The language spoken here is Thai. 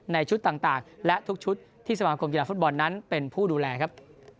ในชุดต่างและทุกชุดที่สมาคมกีฬาฟุตบอลนั้นเป็นผู้ดูแลครับ